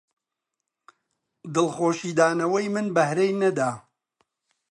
دڵخۆشی دانەوەی من بەهرەی نەدا